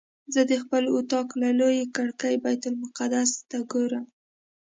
زه د خپل اطاق له لویې کړکۍ بیت المقدس ته ګورم.